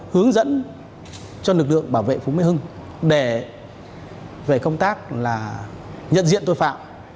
hướng dẫn cho lực lượng bảo vệ phú mỹ hưng để về công tác là nhận diện tội phạm